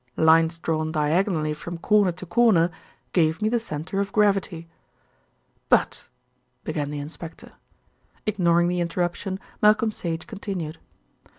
Lines drawn diagonally from corner to corner gave me the centre of gravity." "But " began the inspector. Ignoring the interruption Malcolm Sage continued.